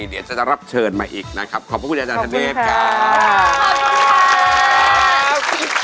เดี๋ยวจะรับเชิญมาอีกนะครับขอบคุณคุณอาจารย์ด้วยกันนะครับขอบคุณครับ